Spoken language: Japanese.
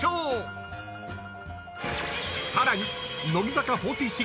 ［さらに］